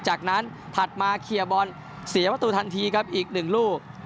จากนั้นถัดมาเคลียร์บอลเสียประตูทันทีครับอีกหนึ่งลูก